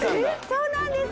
そうなんです！